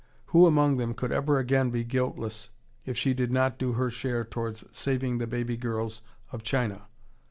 Who among them could ever again be guiltless if she did not do her share towards saving the baby girls of China?